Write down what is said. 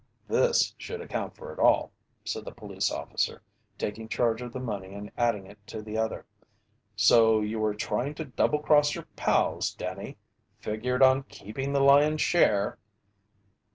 "This should account for it all," said the police officer, taking charge of the money and adding it to the other. "So you were trying to double cross your pals, Danny? Figured on keeping the lion's share!"